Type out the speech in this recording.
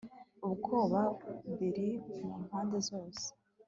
ubwoba biri mu mpande zose